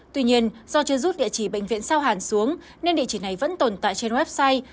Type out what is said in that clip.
tuy nhiên do chưa rút địa chỉ bệnh viện sao hàn xuống nên địa chỉ này vẫn tồn tại trên website